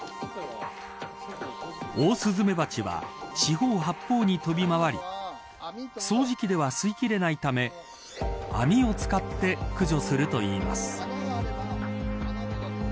オオスズメバチは四方八方に飛び回り掃除機では吸いきれないため網を使って駆除するといいます。